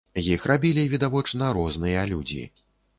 Іх рабілі відавочна розныя людзі.